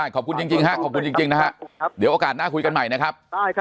ขอบคุณครับ